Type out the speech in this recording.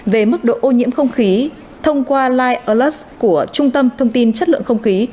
về mức độ ô nhiễm không khí thông qua literlace của trung tâm thông tin chất lượng không khí